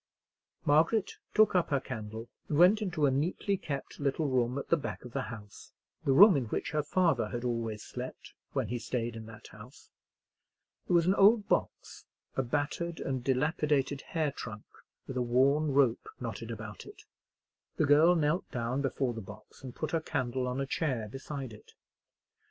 Margaret took up her candle, and went into a neatly kept little room at the back of the house,—the room in which her father had always slept when he stayed in that house. There was an old box, a battered and dilapidated hair trunk, with a worn rope knotted about it. The girl knelt down before the box, and put her candle on a chair beside it.